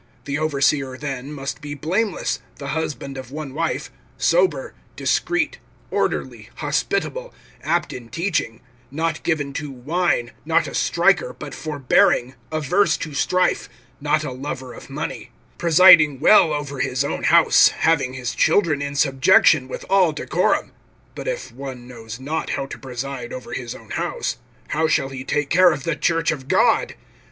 (2)The overseer then must be blameless, the husband of one wife, sober, discreet, orderly, hospitable, apt in teaching; (3)not given to wine, not a striker, but forbearing, averse to strife, not a lover of money; (4)presiding well over his own house, having his children in subjection with all decorum; (5)(but if one knows not how to preside over his own house, how shall he take care of the church of God?)